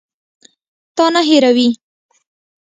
تا نه هېروي.